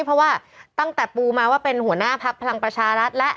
เพราะว่าตั้งแต่ปูมาว่าเป็นหัวหน้าพักพลังประชารัฐแล้ว